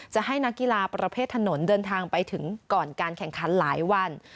จะให้นักกีฬาประเภทถนนเดินทางไปถึงก่อนการแข่งขันหลายวัน